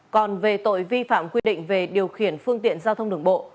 còn về tội vi phạm quy định về điều khiển phương tiện giao thông đường bộ